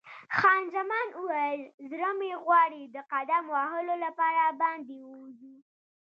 خان زمان وویل: زړه مې غواړي د قدم وهلو لپاره باندې ووځو.